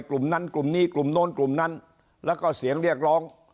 กลุ่มนั้นกลุ่มนี้กลุ่มโน้นกลุ่มนั้นแล้วก็เสียงเรียกร้อง